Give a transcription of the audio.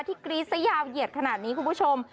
กรี๊ดซะยาวเหยียดขนาดนี้คุณผู้ชม